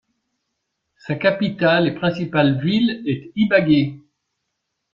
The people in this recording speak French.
Sa capitale et principale ville est Ibagué.